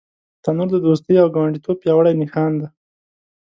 تنور د دوستۍ او ګاونډیتوب پیاوړی نښان دی